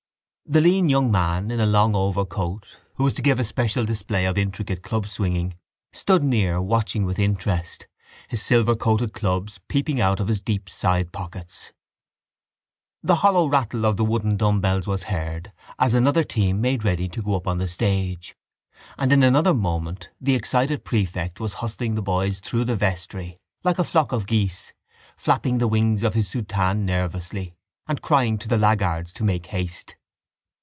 The lean young man in a long overcoat, who was to give a special display of intricate club swinging, stood near watching with interest, his silver coated clubs peeping out of his deep sidepockets. The hollow rattle of the wooden dumbbells was heard as another team made ready to go up on the stage: and in another moment the excited prefect was hustling the boys through the vestry like a flock of geese, flapping the wings of his soutane nervously and crying to the laggards to make haste.